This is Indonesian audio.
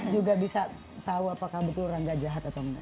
juga bisa tahu apakah betul orang nggak jahat atau enggak